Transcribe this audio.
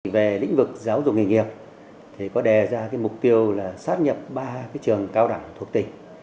về lĩnh vực giáo dục nghề nghiệp thì có đề ra mục tiêu là sát nhập ba trường cao đẳng thuộc tỉnh